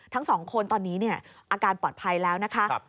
ทั้งสองคนตอนนี้อาการปลอดภัยแล้วนะคะ